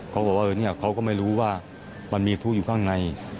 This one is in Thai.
เขาก็บอกว่าเขาก็ไม่รู้ว่ามีผู้อยู่ข้างใน